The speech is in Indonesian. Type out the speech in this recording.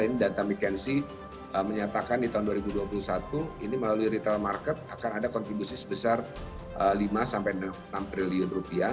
ini data mckenzi menyatakan di tahun dua ribu dua puluh satu ini melalui retail market akan ada kontribusi sebesar lima sampai enam triliun rupiah